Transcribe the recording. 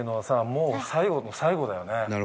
もう最後の最後だよね。